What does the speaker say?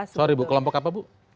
sorry bu kelompok apa bu